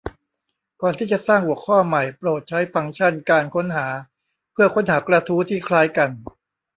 ก่อนที่จะสร้างหัวข้อใหม่โปรดใช้ฟังก์ชั่นการค้นหาเพื่อค้นหากระทู้ที่คล้ายกัน